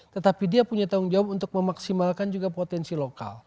tetapi dia punya tanggung jawab untuk memaksimalkan juga potensi lokal